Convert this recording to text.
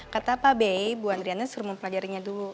kata pak bey bu andriana suruh mempelajarinya dulu